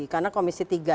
karena komisi tiga